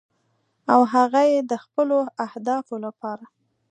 او هغه یې د خپلو اهدافو لپاره